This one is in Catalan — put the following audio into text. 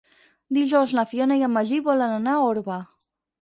Dijous na Fiona i en Magí volen anar a Orba.